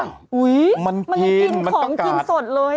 อุ๊ยมันกินมันก็กัดมันกินของกินสดเลย